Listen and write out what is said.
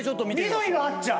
緑のあっちゃん！